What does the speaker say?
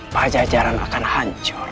pajajaran akan hancur